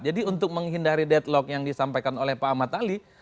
jadi untuk menghindari deadlock yang disampaikan oleh pak ahmad ali